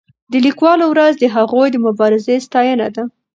د لیکوالو ورځ د هغوی د مبارزې ستاینه ده.